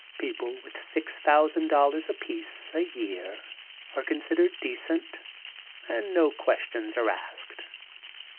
People with six thousand dollars apiece a year are considered decent and no questions are asked.